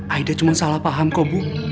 aida cuma salah paham kok bu